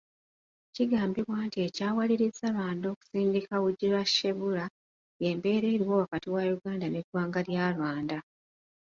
Kigambibwa nti ekyawaliriza Rwanda okusindika Ugirashebula y'embeera eriwo wakati wa Uganda n'eggwanga lya Rwanda.